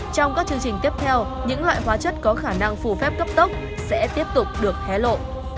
trong các chương trình tiếp theo những loại hóa chất có khả năng phù phép cấp tốc sẽ tiếp tục được hé lộ